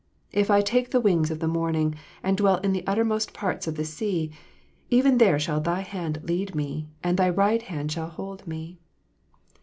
If I take the wings of the morning, and dwell in .the uttermost parts of the sea ; even there shall Thy hand lead me, and Thy right hand shall hold me.